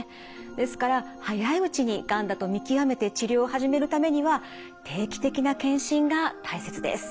ですから早いうちにがんだと見極めて治療を始めるためには定期的な検診が大切です。